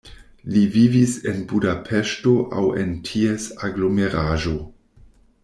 Li vivis en Budapeŝto aŭ en ties aglomeraĵo.